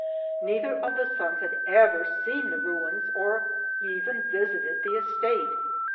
Neither of the sons had ever seen the ruins or even visited the estate.